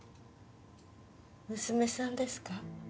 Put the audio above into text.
娘さんですか？